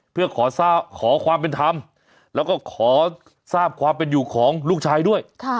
เพื่อขอความเป็นธรรมแล้วก็ขอทราบความเป็นอยู่ของลูกชายด้วย